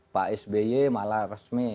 pak sby malah resmi